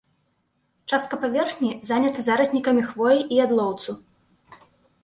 Частка паверхні занята зараснікамі хвоі і ядлоўцу.